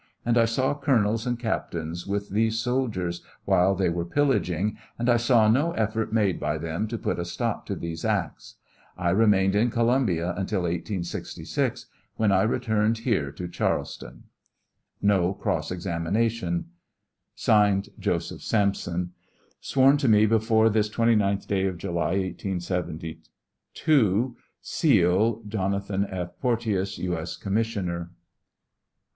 ; and I saw colonels and captains with these soldiers while they were pillaging; and I saw no eifort made by them to put a stop to these acts. I remained in Columbia until 1866, when I returned here to Charles ton. No cross examination. (Signed) JOS. SAMSON. Sworn to before me, this 29th day of July, 1872. [SEAL.] JNO, F. POETBOUS, U. S. Commissioner.